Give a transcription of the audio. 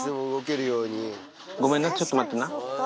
ごめんな、ちょっと待ってな。